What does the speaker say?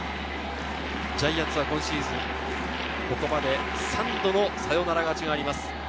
ジャイアンツは今シーズン、ここまで３度のサヨナラ勝ちがあります。